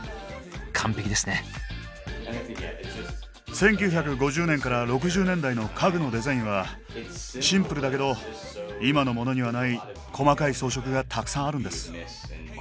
１９５０年から６０年代の家具のデザインはシンプルだけど今のモノにはない細かい装飾がたくさんあるんです。